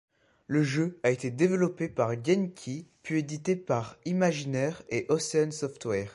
Le jeu a été développé par Genki puis édité par Imagineer et Ocean Software.